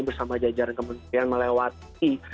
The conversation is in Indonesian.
bersama jajaran kementerian melewati